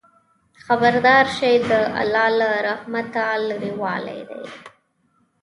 خبردار شئ! د الله له رحمته لرېوالی دی.